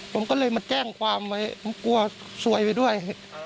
ผมก็เลยมาแจ้งความไว้ผมกลัวซวยไปด้วย